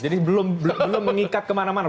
jadi belum mengikat kemana mana